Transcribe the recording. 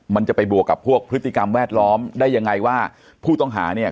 มันจะไปบวกกับพวกพฤติกรรมแวดล้อมได้ยังไงว่าผู้ต้องหาเนี่ย